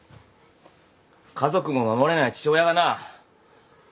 家族も守れない父親がな